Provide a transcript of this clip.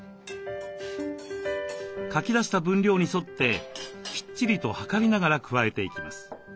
書き出した分量に沿ってきっちりと量りながら加えていきます。